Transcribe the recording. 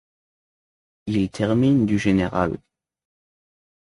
Il termine du général.